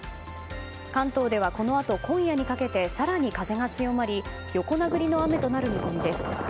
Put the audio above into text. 関東ではこのあと今夜にかけて更に風が強まり横殴りの雨となる見込みです。